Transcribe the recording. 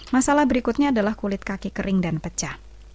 masalah berikutnya adalah kulit kaki kering dan pecah